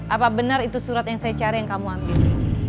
apa benar itu surat yang saya cari yang kamu ambil